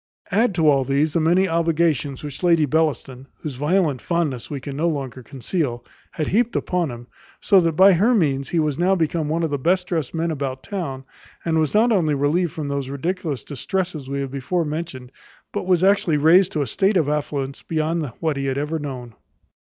Add to all these the many obligations which Lady Bellaston, whose violent fondness we can no longer conceal, had heaped upon him; so that by her means he was now become one of the best dressed men about town; and was not only relieved from those ridiculous distresses we have before mentioned, but was actually raised to a state of affluence beyond what he had ever known.